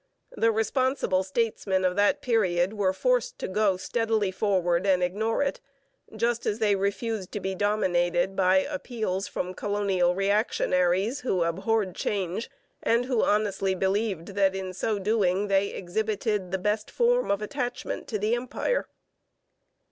The responsible statesmen of that period were forced to go steadily forward and ignore it, just as they refused to be dominated by appeals from colonial reactionaries who abhorred change and who honestly believed that in so doing they exhibited the best form of attachment to the Empire.